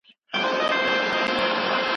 دا راپور د پوهنتون په غوښتنه لیکل سوی دی.